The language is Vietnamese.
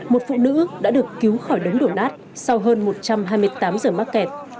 một phụ nữ đã được cứu khỏi đống đổ nát sau hơn một trăm hai mươi tám giờ mắc kẹt